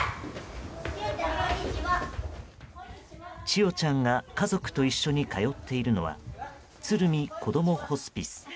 千与ちゃんが家族と一緒に通っているのはＴＳＵＲＵＭＩこどもホスピス。